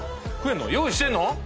用意してんの？